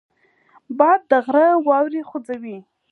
باد د غره واورې خوځوي